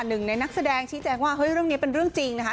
หนึ่งในนักแสดงชี้แจงว่าเฮ้ยเรื่องนี้เป็นเรื่องจริงนะคะ